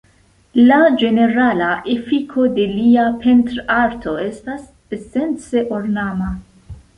La ĝenerala efiko de lia pentrarto estas esence ornama.